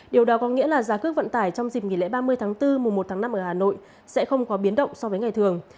điều đó có nghĩa là giá cước vận tải trong dịp nghỉ lễ ba mươi tháng bốn mùa một tháng năm ở hà nội sẽ không có biến động so với ngày thường